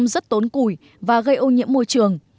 công rất tốn cùi và gây ô nhiễm môi trường